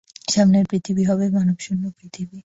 সামনের পৃথিবী হবে মানবশূন্য পৃথিবী।